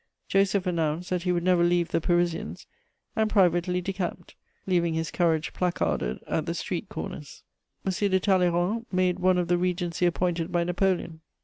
Joseph announced that he would never leave the Parisians, and privately decamped, leaving his courage placarded at the street corners. [Sidenote: M. de Talleyrand.] M. de Talleyrand made one of the Regency appointed by Napoleon.